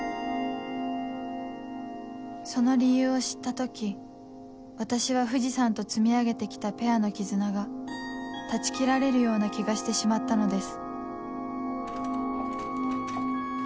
その理由を知った時私は藤さんと積み上げて来たペアの絆が断ち切られるような気がしてしまったのです